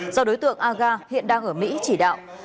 do đối tượng aga hiện đang ở mỹ chỉ đạo